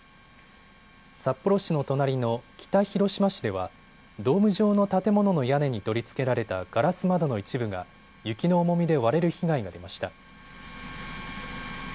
札幌市の隣の北広島市ではドーム状の建物の屋根に取り付けられたガラス窓の一部が雪の重みで割れる被害が出ました。